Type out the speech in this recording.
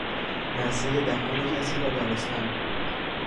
مزه دهان کسی را دانستن